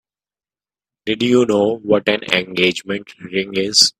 Do you know what an engagement ring is?